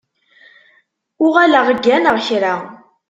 Uɣaleɣ gganeɣ kra.